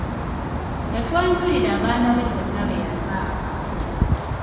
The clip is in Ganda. Yatwanjulira abaana be bonna be yazaala.